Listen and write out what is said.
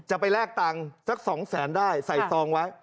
จะไปรากตังค์สักสองแสนได้ใส่ซองไว้